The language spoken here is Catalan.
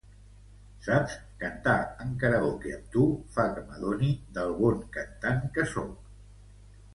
Saps, cantar en karaoke amb tu fa que m'adoni del bon cantant que soc.